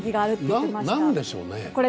何でしょうね。